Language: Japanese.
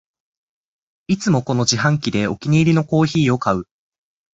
いつもこの自販機でお気に入りのコーヒーを買う